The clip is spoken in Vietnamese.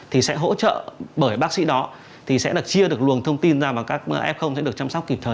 thì sẽ hỗ trợ bởi bác sĩ đó thì sẽ là chia được luồng thông tin ra vào các f sẽ được chăm sóc kịp thời